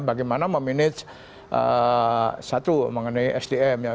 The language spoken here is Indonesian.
bagaimana memanage satu mengenai sdm ya